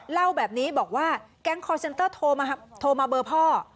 เล่าแบบนี้บอกว่าแก๊งคอร์เซ็นเตอร์โทรมาเบอร์พ่อ